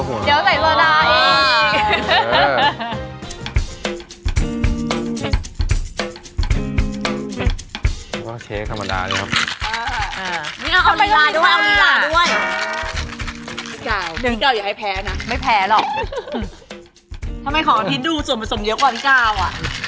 โอเคน่ารักที่สุดเอาอะไรครับบอกพี่กาว